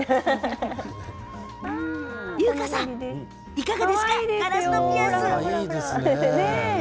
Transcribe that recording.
いかがですかガラスのピアス。